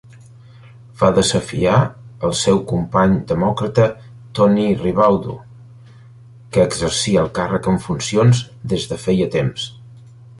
Va desafiar el seu company demòcrata Tony Ribaudo, que exercia el càrrec en funcions des de feia temps.